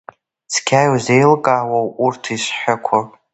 Цқьа иузеилкаауоу арҭ исҳәақәо?